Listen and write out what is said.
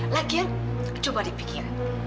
lagian coba dipikirin